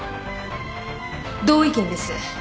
同意見です。